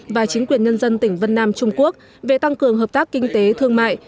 và chính quyền nhân dân tỉnh vân nam trung quốc về tăng cường hợp tác kinh tế thương mại